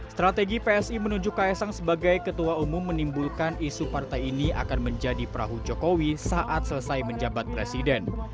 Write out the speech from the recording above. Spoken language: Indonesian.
strategi psi menunjuk ksang sebagai ketua umum menimbulkan isu partai ini akan menjadi perahu jokowi saat selesai menjabat presiden